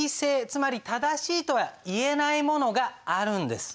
つまり正しいとはいえないものがあるんです。